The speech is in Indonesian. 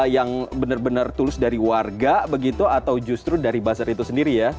yang benar benar tulus dari warga begitu atau justru dari buzzer itu sendiri ya